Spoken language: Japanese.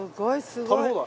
食べ放題。